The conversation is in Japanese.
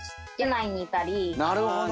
なるほどね。